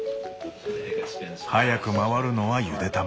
速く回るのはゆで卵。